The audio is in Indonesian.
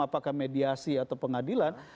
apakah mediasi atau pengadilan